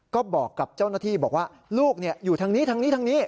ก็บอกกับเจ้าหน้าที่บอกว่าลูกอยู่ทางนี้